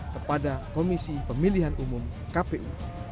kepada komisi pemilihan umum kpu